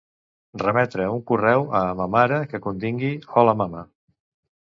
Remetre un correu a ma mare que contingui "hola mama".